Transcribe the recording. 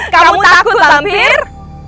kamu takut mampir